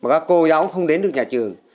các cô giáo không đến được nhà trường